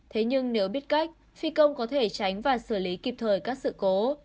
thế nhưng nếu biết cách phi công có thể tránh và xử lý kịp thời các sự cố